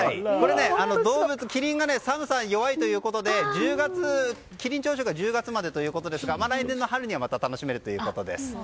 キリンが寒さに弱いということでキリン朝食は１０月までということですが来年の春にはまた楽しめるということです。